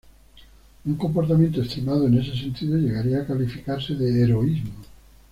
Un comportamiento extremado en ese sentido llegaría a calificarse de heroísmo.